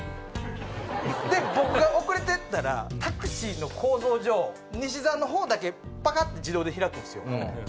僕が遅れてったらタクシーの構造上西澤のほうだけパカって自動で開くんですよ。